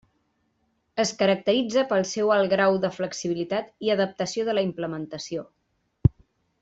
Es caracteritza pel seu alt grau de flexibilitat i adaptació de la implementació.